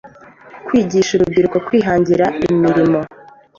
kwigisha urubyiruko kwihangira imirimo